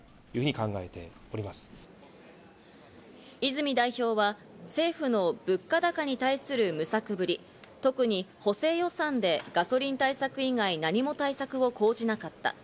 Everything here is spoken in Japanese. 泉代表は政府の物価高に対する無策ぶり、特に補正予算でガソリン対策以外、何も対策を講じなかった。